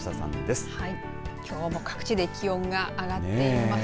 きょうも各地で気温が上がっています。